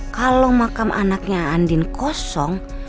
kalau makam anaknya andin kosong